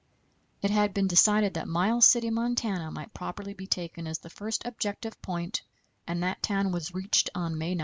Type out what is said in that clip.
It had been decided that Miles City, Montana, might properly be taken as the first objective point, and that town was reached on May 9.